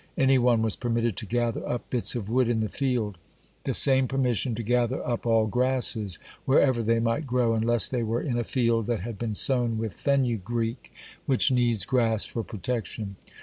Any one was permitted to gather up bits of wood in the field. The same permission to gather up all grasses, wherever they might grow, unless they were in a field that had been sown with fenugreek, which needs grass for protection.